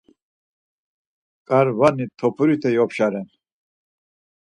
K̆arvani topurite yopşa ren.